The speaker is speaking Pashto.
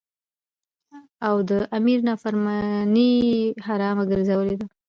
او د امیر نافرمانی یی حرامه ګرځولی ده.